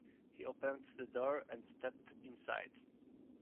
He opened the door and stepped inside.